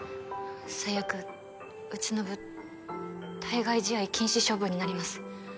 最悪うちの部対外試合禁止処分になります